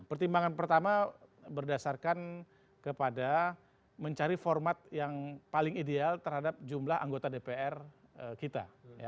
pertimbangan pertama berdasarkan kepada mencari format yang paling ideal terhadap jumlah anggota dpr kita